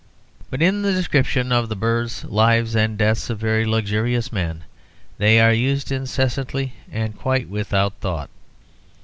But in the description of the births, lives, and deaths of very luxurious men they are used incessantly and quite without thought.